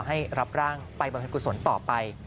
ให้รับร่างไปบรรพิกุศลต่อไป